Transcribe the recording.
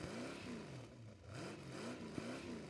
دا خلک د مېلمه پالنې نوم لري.